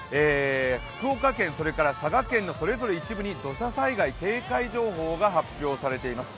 福岡県、佐賀県の一部にそれぞれ土砂災害警戒情報が発表されています。